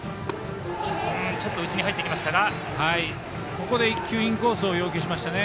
ここ１球、インコースを要求しましたね。